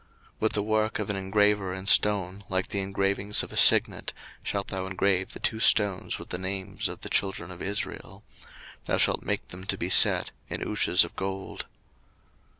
02:028:011 With the work of an engraver in stone, like the engravings of a signet, shalt thou engrave the two stones with the names of the children of Israel: thou shalt make them to be set in ouches of gold.